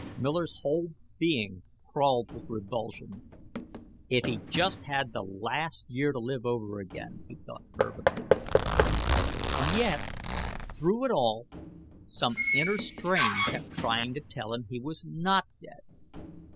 Miller's whole being crawled with revulsion. If he just had the last year to live over again, he thought fervently. And yet, through it all, some inner strain kept trying to tell him he was not dead.